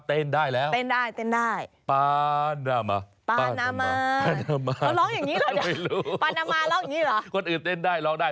เต้นได้แล้วเต้นได้เต้นได้